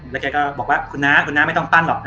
แล้วแกก็บอกว่าคุณน้าคุณน้าไม่ต้องปั้นหรอกนะ